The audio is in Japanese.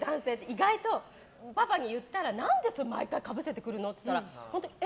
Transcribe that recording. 意外と、パパに言ったら何で毎回かぶせてくるの？って言ったらえ？